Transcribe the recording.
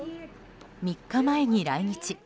３日前に来日。